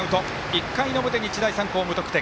１回の表、日大三高、無得点。